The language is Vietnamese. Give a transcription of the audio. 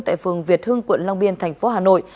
tại phường việt hưng quận long biên thành phố hà nội